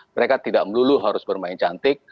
mereka tidak melulu harus bermain cantik